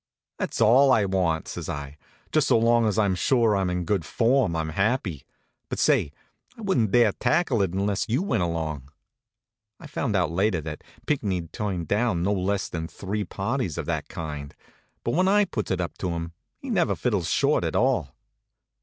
"That's all I want," says I. "Just so long's I'm sure I'm in good form, I'm happy. But say, I wouldn't dare tackle it unless you went along." I found out later that Pinckney'd turned down no less than three parties of that kind, but when I puts it up to him, he never fiddles short at all.